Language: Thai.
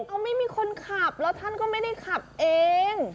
เอาไม่มีคนขับแล้วท่านก็ไม่ได้ขับเอง